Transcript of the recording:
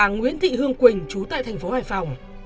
nguyễn thị hương quỳnh trú tại thành phố hoài phòng